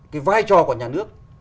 cái vai trò của nhà nước